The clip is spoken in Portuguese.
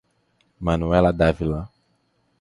Manuela D'Ávila